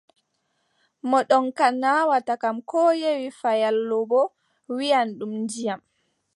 Mo ɗomka naawata kam, koo ƴeewi faayaalo boo, wiʼa ɗum ndiyam.